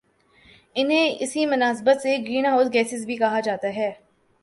انہیں اسی مناسبت سے گرین ہاؤس گیسیں بھی کہا جاتا ہے